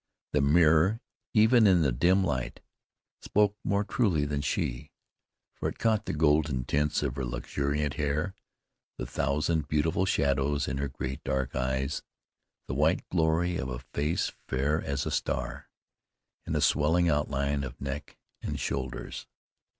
The mirror, even in the dim light, spoke more truly than she, for it caught the golden tints of her luxuriant hair, the thousand beautiful shadows in her great, dark eyes, the white glory of a face fair as a star, and the swelling outline of neck and shoulders.